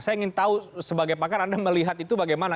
saya ingin tahu sebagai pakar anda melihat itu bagaimana